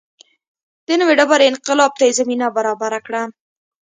د نوې ډبرې انقلاب ته یې زمینه برابره کړه.